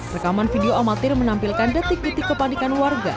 rekaman video amatir menampilkan detik detik kepanikan warga